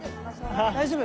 大丈夫。